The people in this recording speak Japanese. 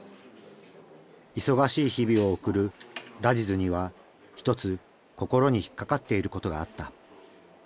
忙しい日々を送るラジズには一つ心に引っ掛かっていることがあった。